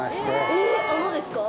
えっあのですか？